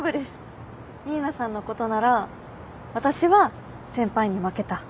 新名さんのことなら私は先輩に負けた。